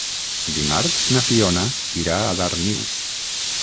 Dimarts na Fiona irà a Darnius.